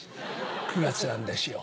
９月なんですよ。